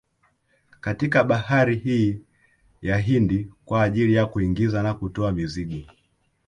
Katika bahari hii ya Hindi kwa ajili ya kuingiza na kutoa mizigo